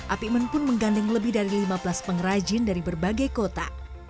apikmen pun menggandeng lebih dari lima belas pengrajin dari berbagai kota